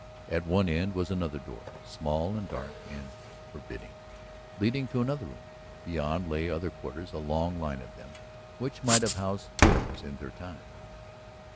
At one end was another door, small and dark and forbidding, leading to another room. Beyond lay other quarters, a long line of them, which might have housed scores in their time.